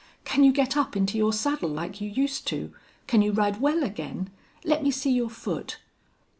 Can you get up into your saddle like you used to? Can you ride well again?... Let me see your foot."